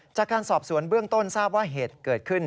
จากการสอบสวนเบื้องต้นทราบว่าเหตุเกิดขึ้น